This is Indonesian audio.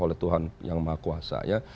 oleh tuhan yang maha kuasa ya